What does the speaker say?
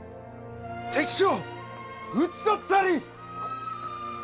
敵将討ち取ったり！